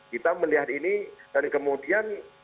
kita melihat ini dan kemudian